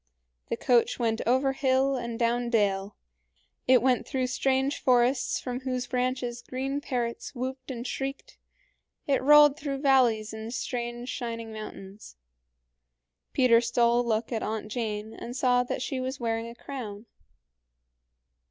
The coach went over hill and down dale; it went through strange forests from whose branches green parrots whooped and shrieked; it rolled through valleys in strange shining mountains. Peter stole a look at Aunt Jane and saw that she was wearing a crown.